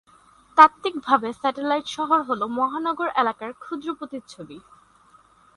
তাত্ত্বিকভাবে, স্যাটেলাইট শহর হলো মহানগর এলাকার ক্ষুদ্র প্রতিচ্ছবি।